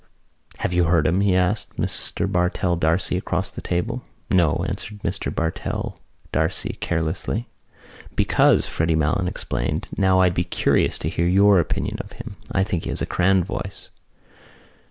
"Have you heard him?" he asked Mr Bartell D'Arcy across the table. "No," answered Mr Bartell D'Arcy carelessly. "Because," Freddy Malins explained, "now I'd be curious to hear your opinion of him. I think he has a grand voice."